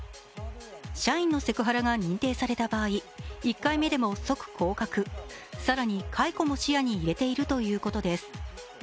社員のセクハラが認定された場合、１回目でも即降格、更に、解雇も視野に入れているということです。